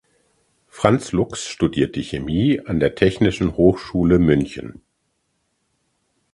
Franz Lux studierte Chemie an der Technischen Hochschule München.